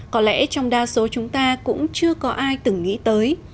có lẽ trong đa số chúng ta cũng chưa có ai từng nghĩ tới